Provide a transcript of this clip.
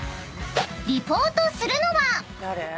［リポートするのは］